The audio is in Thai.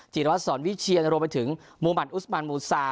จิตรวัตสอนวิเชียนรวมไปถึงมูมันอุสมันมูซา